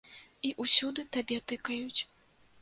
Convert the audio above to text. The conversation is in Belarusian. І ўсюды табе тыкаюць.